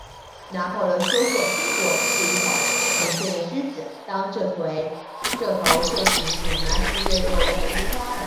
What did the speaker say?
拿破仑说过，中国是一头沉睡的狮子，当这头睡狮醒来时，世界都会为之发抖。